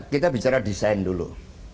kita bicara desain dulu